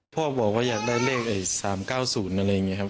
พ่อบอกว่าอยากได้เลข๓๙๐อะไรอย่างนี้ครับ